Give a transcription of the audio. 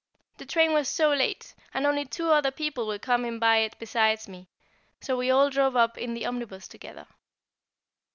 The train was so late, and only two other people were coming by it besides me, so we all drove up in the omnibus together.